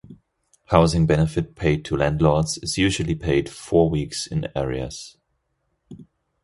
Housing Benefit paid to landlords is usually paid four weeks in arrears.